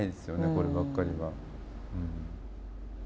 こればっかりは。